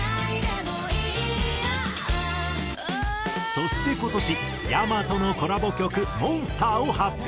そして今年ｙａｍａとのコラボ曲『モンスター』を発表。